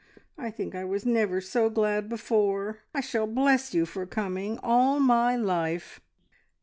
I think I was never so glad before. I shall bless you for coming all my life!"